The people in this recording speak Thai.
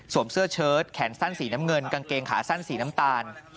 เสื้อเชิดแขนสั้นสีน้ำเงินกางเกงขาสั้นสีน้ำตาล